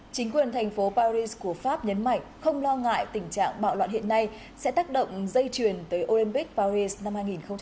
chính quyền thành phố paris của pháp nhấn mạnh không lo ngại tình trạng bạo loạn hiện nay sẽ tác động dây chuyền tới olympic paris năm hai nghìn hai mươi